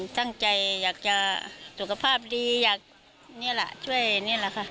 ตั้งใจอยากจะสุขภาพดีอยากนี่แหละช่วยนี่แหละค่ะ